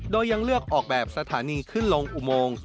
โดยยังเลือกออกแบบสถานีขึ้นลงอุโมง